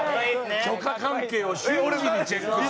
許可関係を瞬時にチェックして。